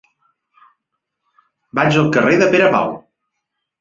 Vaig al carrer de Pere Pau.